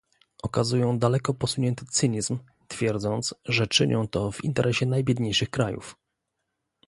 Okazują daleko posunięty cynizm, twierdząc, że czynią to w interesie najbiedniejszych krajów